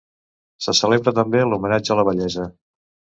Se celebra també l'homenatge a la vellesa.